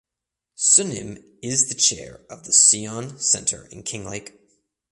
Sunim is the chair of the Seon Centre in Kinglake.